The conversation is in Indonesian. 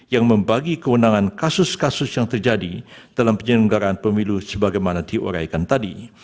yang membagi kewenangan kasus kasus yang terjadi dalam penyelenggaraan pemilu sebagaimana diuraikan tadi